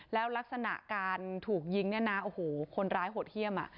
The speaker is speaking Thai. แล้วลักษณะการถูกยิงเนี่ยนะโอ้โหคนร้ายโหดเยี่ยม